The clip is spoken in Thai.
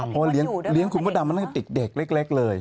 เพราะว่าเลี้ยงคุณมดดำมาตั้งแต่เด็กเล็กเลย